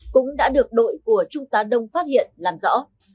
cũng đã được đội của trung tá đông phát hiện làm rõ